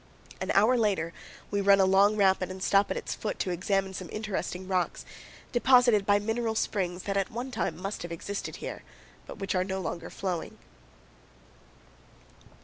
An hour later we run a long rapid and stop at its foot to examine some interesting rocks, deposited by mineral springs that at one time must have existed here, but which are no longer flowing.